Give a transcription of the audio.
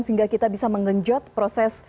sehingga kita bisa mengenjot proses